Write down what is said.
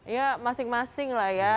ya masing masing lah ya